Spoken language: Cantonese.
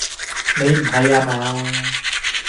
你唔係呀嘛？